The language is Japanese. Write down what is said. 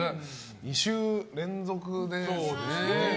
２週連続ですね。